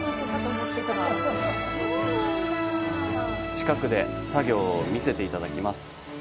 近くで作業を見せていただきます。